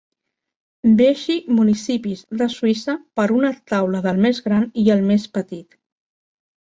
Vegi municipis de Suïssa per una taula del més gran i el més petit.